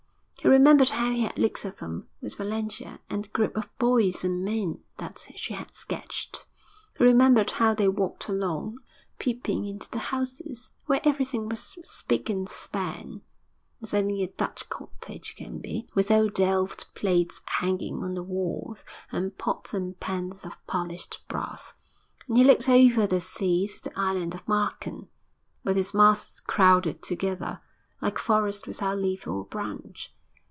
He remembered how he had looked at them with Valentia, and the group of boys and men that she had sketched. He remembered how they walked along, peeping into the houses, where everything was spick and span, as only a Dutch cottage can be, with old Delft plates hanging on the walls, and pots and pans of polished brass. And he looked over the sea to the island of Marken, with its masts crowded together, like a forest without leaf or branch.